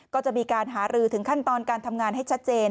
ก็จะมีการหารือถึงขั้นตอนการทำงานให้ชัดเจน